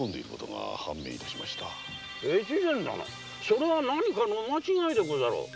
それは何かの間違いでしょう。